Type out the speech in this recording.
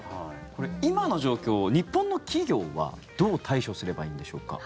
これ、今の状況を日本の企業はどう対処すればいいんでしょうか。